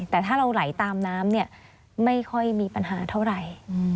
แต่ถ้าเราไหลตามน้ำเนี่ยไม่ค่อยมีปัญหาเท่าไหร่